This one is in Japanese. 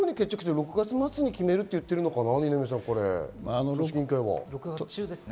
６月末に決めると言っているのか６月中ですね。